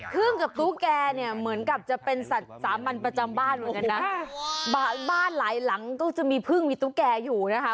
พึ่งกับตุ๊กแกเนี่ยเหมือนกับจะเป็นสัตว์สามัญประจำบ้านเหมือนกันนะบ้านบ้านหลายหลังก็จะมีพึ่งมีตุ๊กแกอยู่นะคะ